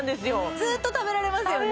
ずっと食べられますよね